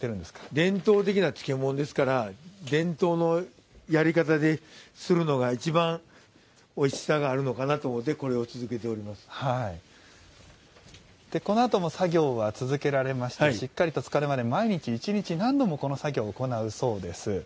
伝統的な漬物ですから伝統的なやり方でするのが一番おいしさがあるのかなと思ってこのあとも作業は続けられましてしっかりと漬かるまで毎日、１日何度もこの作業を行うそうです。